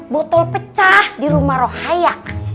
botol pecah di rumah rohaya